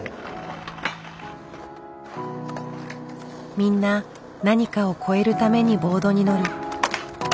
みんな何かを越えるためにボードに乗る。